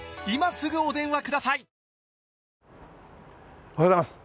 おはようございます。